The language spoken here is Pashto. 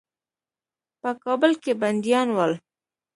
په کابل کې بندیان ول.